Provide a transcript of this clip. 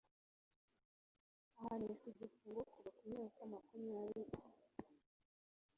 ahanishwa igifungo kuva ku myaka makumyabiri